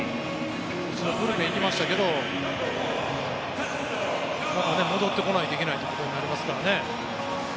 一度ブルペンに行きましたけど戻ってこないといけないってことになりますからね。